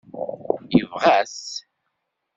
Yebɣa-t?